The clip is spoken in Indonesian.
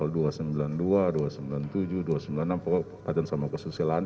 dua ratus sembilan puluh dua dua ratus sembilan puluh tujuh dua ratus sembilan puluh enam pokoknya sama kesusilaan